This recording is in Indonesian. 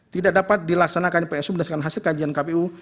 tidak dapat dilaksanakan psu berdasarkan hasil kajian kpu